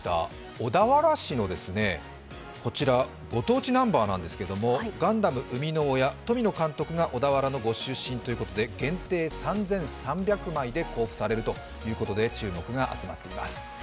小田原市のご当地ナンバーなんですけど、ガンダムの生みの親、富野監督が小田原のご出身ということで限定３３００枚で交付されるということで注目が集まっています。